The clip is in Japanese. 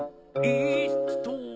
えっと。